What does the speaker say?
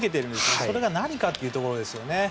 それが何かというところですよね。